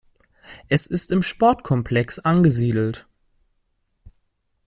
Es ist im Sportkomplex angesiedelt.